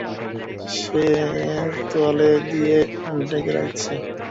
সে তোয়ালে দিয়ে ঢেকে রেখেছে।